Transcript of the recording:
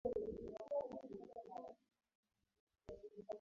Rais Samia Jumatano alikamilisha ziara ya kikazi ya siku mbili nchini Kenya